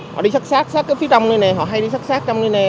họ đi sắt sát phía trong đây nè họ hay đi sắt sát trong đây nè